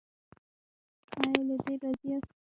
ایا له دې ځای راضي یاست؟